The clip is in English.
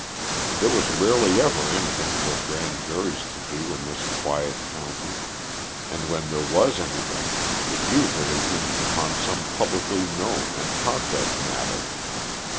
There was rarely ever anything for grand juries to do in this quiet county, and when there was anything it usually hinged upon some publicly known and talked of matter.